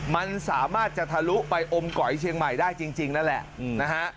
มันสามารถจะทะลุไปอมก๋อยเชียงใหม่ได้จริงนั่นแหละนะฮะ